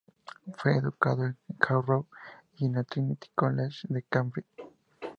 Fue educado en Harrow y en el Trinity College de Cambridge.